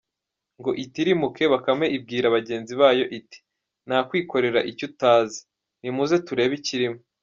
Ngo itirimuke, Bakame ibwira bagenzi bayo iti « nta kwikorera icyo utazi, nimuze turebe ikirimo.